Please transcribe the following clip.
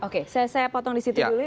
oke saya potong di situ dulu